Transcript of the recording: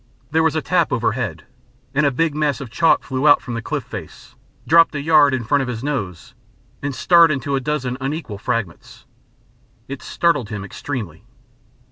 There was a tap overhead, and a big mass of chalk flew out from the cliff face, dropped a yard in front of his nose, and starred into a dozen unequal fragments. It startled him extremely.